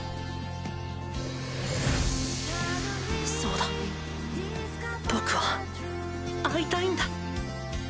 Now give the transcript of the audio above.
そうだ僕は会いたいんだ。